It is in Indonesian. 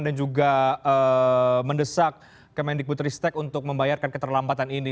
dan juga mendesak kemendikbutristek untuk membayarkan keterlambatan ini